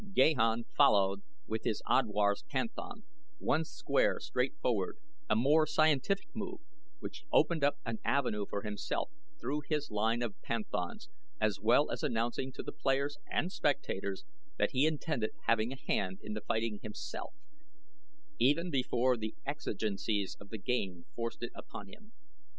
Gahan followed with his Odwar's Panthan one square straight forward, a more scientific move, which opened up an avenue for himself through his line of Panthans, as well as announcing to the players and spectators that he intended having a hand in the fighting himself even before the exigencies of the game forced it upon him.